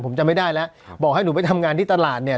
ผมจำไม่ได้แล้วบอกให้หนูไปทำงานที่ตลาดเนี่ย